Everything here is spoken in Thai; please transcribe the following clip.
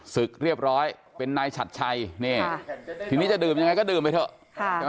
ศึกเรียบร้อยเป็นนายฉัดชัยนี่ทีนี้จะดื่มยังไงก็ดื่มไปเถอะใช่ไหม